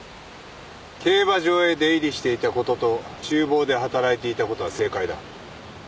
競馬場へ出入りしていたことと厨房で働いていたことは正解だ。